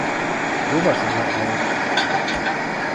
Sowas aber auch!